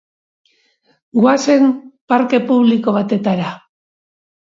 Goazen parke publiko batetara